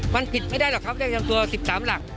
มันผิดไม่ได้หรอกครับเลขแฟมตัวสิบสามหลัง